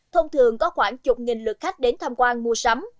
thông thường có khoảng chục nghìn lượt khách đến tham quan mua sắm